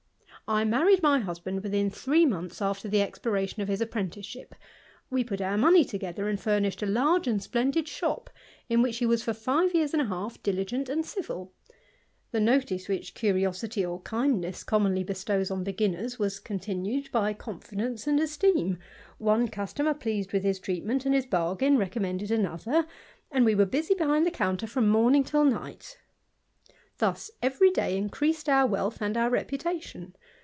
I married my husband within three months after the ^3tpiration of his apprenticeship ; we put our money ^^igether, and furnished a large and splendid shop, in which *^c was for five years and a half diligent and civil. The "^ictice which curiosity or kindness commonly bestows on l>€ginners, was continued by confidence and esteem; one ^^ustomer, pleased with his treatment and his bargain, Recommended another; and we were busy behind the counter from morning to night Thus every day increased our wealth and our reputation.